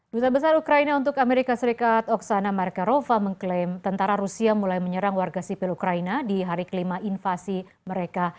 duta besar ukraina untuk amerika serikat oksana marcarova mengklaim tentara rusia mulai menyerang warga sipil ukraina di hari kelima invasi mereka